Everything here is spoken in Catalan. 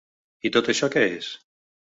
I tot això què és?